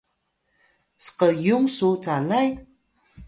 sqiyung su calay?